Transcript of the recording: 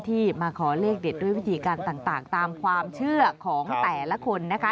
ที่มาขอเลขเด็ดด้วยวิธีการต่างตามความเชื่อของแต่ละคนนะคะ